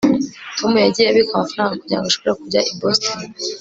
tom yagiye abika amafaranga kugirango ashobore kujya i boston